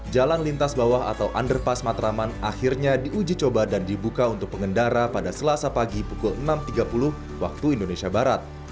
jalan lintas bawah atau underpass matraman akhirnya diuji coba dan dibuka untuk pengendara pada selasa pagi pukul enam tiga puluh waktu indonesia barat